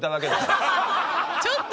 ちょっと！